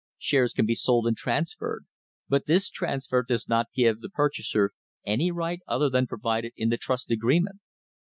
Shares can be sold and transferred, but this transfer does not give the purchaser any right other than provided in the trust agreement.